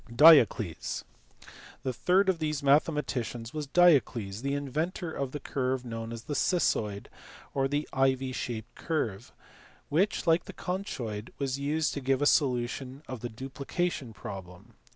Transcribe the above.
Diocles. The third of these mathematicians was Diodes the inventor of the curve known as the cissoid or the ivy shaped curve which, like the conchoid, was used to give a solution of the duplication problem.